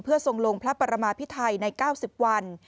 เพื่อทรงลงพระประมาภิเทศไทยใน๙๐วัน